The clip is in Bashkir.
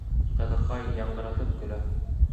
Ҡыҙыҡай яңғыратып көлә.